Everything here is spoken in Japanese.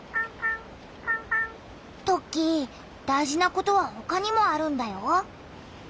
トッキー大事なことはほかにもあるんだよ。